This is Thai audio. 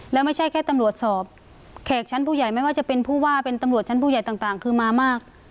แล้วไม่ใช่แค่ตำรวจสอบแขกชั้นผู้ใหญ่ไม่ว่าจะเป็นผู้ว่าเป็นตำรวจชั้นผู้ใหญ่ต่างคือมามาก